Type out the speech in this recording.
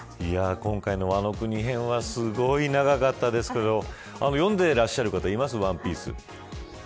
今回の倭国編はすごい長かったですけど読んでいらっしゃる方いますか、ＯＮＥＰＩＥＣＥ。